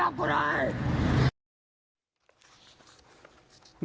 เย็บหนอ